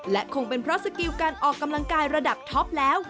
และคงเป็นเพราะสกิลการออกกำลังกายระดับท็อปแล้ว